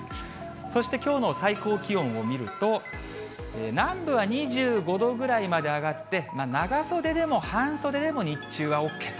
そして、きょうの最高気温を見ると、南部は２５度ぐらいまで上がって、長袖でも半袖でも日中はＯＫと。